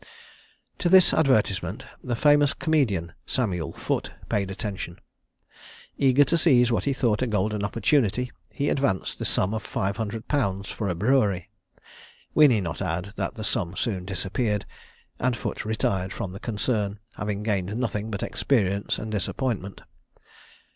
To this advertisement the famous comedian, Samuel Foote, paid attention. Eager to seize what he thought a golden opportunity, he advanced the sum of five hundred pounds for a brewery; we need not add, that the sum soon disappeared, and Foote retired from the concern, having gained nothing but experience and disappointment.